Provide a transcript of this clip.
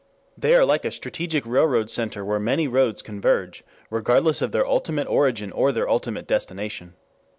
They are like a strategic railroad center where many roads converge regardless of their ultimate origin or their ultimate destination.